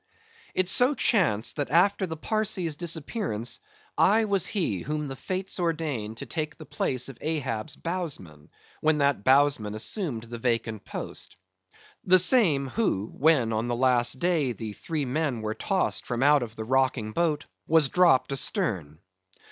It so chanced, that after the Parsee's disappearance, I was he whom the Fates ordained to take the place of Ahab's bowsman, when that bowsman assumed the vacant post; the same, who, when on the last day the three men were tossed from out of the rocking boat, was dropped astern.